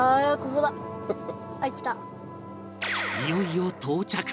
いよいよ到着